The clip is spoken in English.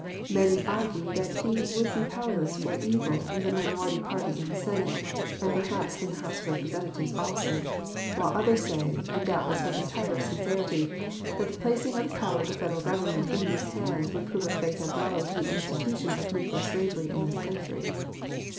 Many argue that he would be powerless for evil with a minority party in the Senate, and perhaps in the House of Representatives also; while others say, and doubtless with entire sincerity, that the placing of the power of the Federal Government in his hands would prove a fatal blow to the institution of negro slavery in this country.